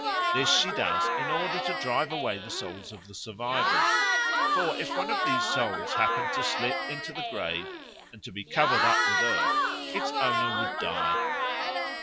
This she does in order to drive away the souls of the survivors, for if one of these souls happened to slip into the grave and to be covered up with earth, its owner would die.